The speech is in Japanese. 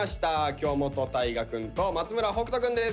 京本大我くんと松村北斗くんです。